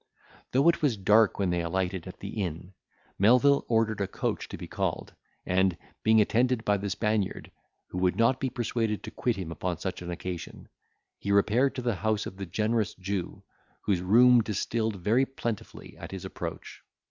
Though it was dark when they alighted at the inn, Melvil ordered a coach to be called; and, being attended by the Spaniard, who would not be persuaded to quit him upon such an occasion, he repaired to the house of the generous Jew, whose rheum distilled very plentifully at his approach.